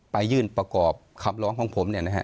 ยื่นประกอบคำร้องของผมเนี่ยนะฮะ